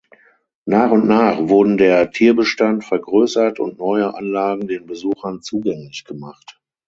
Nach und nach wurden der Tierbestand vergrößert und neue Anlagen den Besuchern zugänglich gemacht.